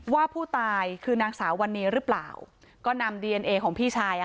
ว่าผู้ตายคือนางสาววันนี้หรือเปล่าก็นำดีเอนเอของพี่ชาย